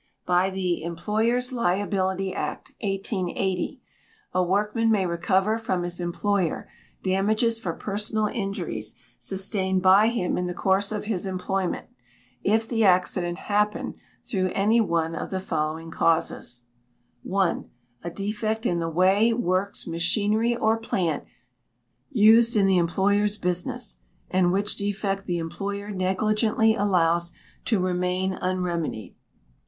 By the "Employers' Liability Act," 1880, a workman may recover from his employer damages for personal injuries sustained by him in the course of his employment, if the accident happen through any one of the following causes: i. A defect in the way, works, machinery, or plant used in the employer's business, and which defect the employer negligently allows to remain unremedied.